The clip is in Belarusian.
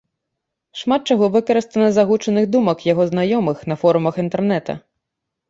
Шмат чаго выкарыстана з агучаных думак яго знаёмых на форумах інтэрнета.